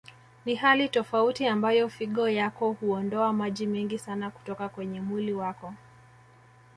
Ni hali tofauti ambayo figo yako huondoa maji mengi sana kutoka kwenye mwili wako